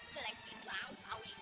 jelek gitu aw